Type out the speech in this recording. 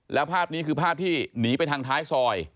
แล้วภาพนี้คือภาพที่หนีไปทางท้ายซอย